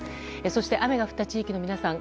そして、雨が降った地域の皆さん